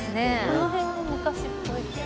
この辺も昔っぽいけど。